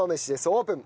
オープン。